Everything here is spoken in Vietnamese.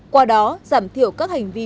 qua đó giảm thiểu các hành vi